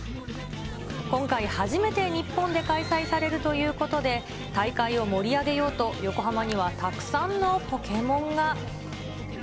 今回初めて日本で開催されるということで、大会を盛り上げようと、横浜にはたくさんのポケモンが。